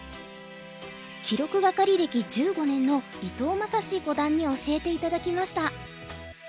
記録係歴１５年の伊藤優詩五段に教えて頂きました。